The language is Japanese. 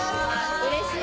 うれしい！